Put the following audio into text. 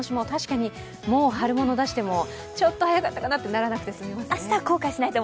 確かにもう春物出しても、ちょっと早かったかなとならなくて済みますね。